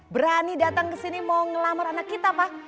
berani datang kesini mau ngelamar anak kita pak